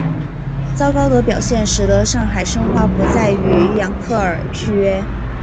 糟糕的表现使得上海申花不再与扬克尔续约。